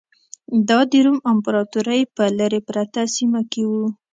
دا د روم امپراتورۍ په لرې پرته سیمه کې و